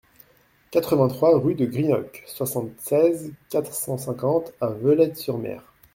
quatre-vingt-trois rue de Greenock, soixante-seize, quatre cent cinquante à Veulettes-sur-Mer